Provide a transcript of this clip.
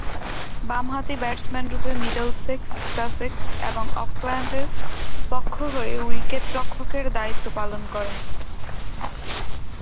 বামহাতি ব্যাটসম্যানরূপে Middlesex, Sussex এবং অকল্যান্ডের পক্ষ হয়ে উইকেট-রক্ষকের দায়িত্ব পালন করেন।